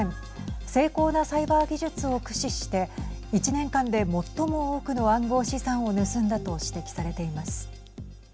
精巧なサイバー技術を駆使して１年間で最も多くの暗号資産を盗んだと指摘されています。